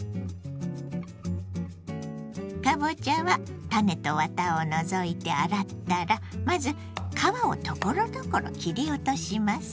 かぼちゃは種とワタを除いて洗ったらまず皮をところどころ切り落とします。